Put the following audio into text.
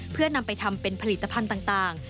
เพื่อนำไปทำเป็นผลิตภัณฑ์ต่าง